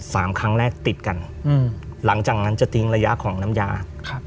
สามครั้งแรกติดกันอืมหลังจากนั้นจะทิ้งระยะของน้ำยาครับ